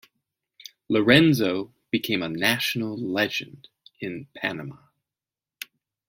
Lorenzo became a national legend in Panama.